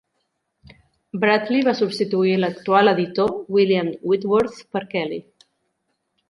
Bradley va substituir l'actual editor, William Whitworth, per Kelly.